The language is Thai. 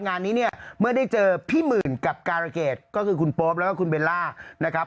งานนี้เนี่ยเมื่อได้เจอพี่หมื่นกับการเกรดก็คือคุณโป๊ปแล้วก็คุณเบลล่านะครับ